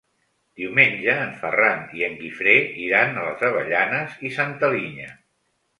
Diumenge en Ferran i en Guifré iran a les Avellanes i Santa Linya.